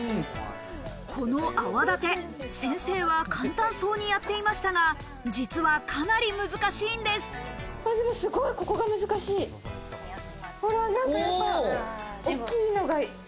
この泡立て先生は簡単そうにやっていましたが実はかなり難しいんですほら！